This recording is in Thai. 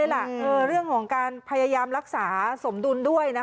ปวดหัวเลยล่ะเรื่องของการพยายามรักษาสมดุลด้วยนะคะ